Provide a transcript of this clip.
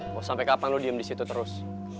mau sampe kapan lu diem disitu terus